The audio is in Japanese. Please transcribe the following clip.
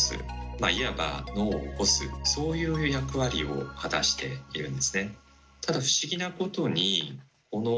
まあいわば「脳を起こす」そういう役割を果たしているんですね。